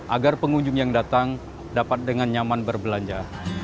agar pengunjung yang datang dapat dengan nyaman berbelanja